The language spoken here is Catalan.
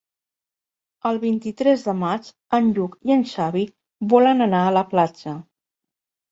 El vint-i-tres de maig en Lluc i en Xavi volen anar a la platja.